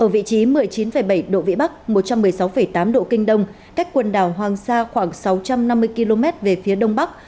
ở vị trí một mươi chín bảy độ vĩ bắc một trăm một mươi sáu tám độ kinh đông cách quần đảo hoàng sa khoảng sáu trăm năm mươi km về phía đông bắc